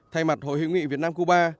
thay mặt hội hữu nghị việt nam cuba